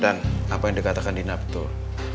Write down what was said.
dan apa yang dikatakan dina betul